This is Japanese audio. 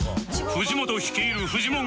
藤本率いるフジモン軍団